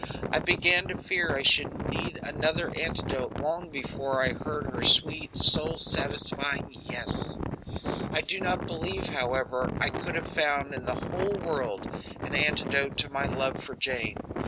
I began to fear I should need another antidote long before I heard her sweet soul satisfying "yes." I do not believe, however, I could have found in the whole world an antidote to my love for Jane.